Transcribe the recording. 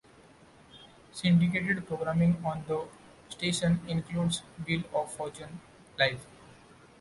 Syndicated programming on the station includes: "Wheel of Fortune", "Live!